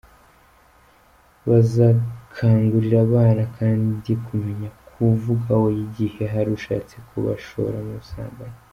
Bazakangurira abana kandi kumenya kuvuga oya igihe hari ushatse kubashora mu busambanyi.